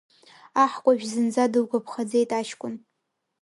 Аҳкәажә зынӡа дылгәаԥхаӡеит аҷкәын.